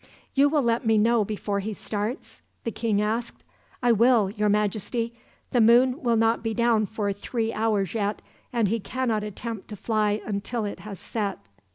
"'You will let me know before he starts?' the king asked. "'I will, your Majesty. The moon will not be down for three hours, yet, and he cannot attempt to fly until it has set.'